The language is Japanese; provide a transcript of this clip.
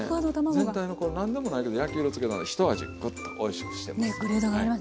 全体のこの何でもないけど焼き色つけたひと味グッとおいしくしてます。